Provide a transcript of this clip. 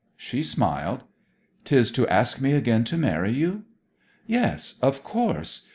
She smiled. ''Tis to ask me again to marry you?' 'Yes, of course.